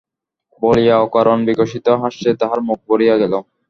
বলিয়া অকারণ-বিকশিত হাস্যে তাহার মুখ ভরিয়া গেল।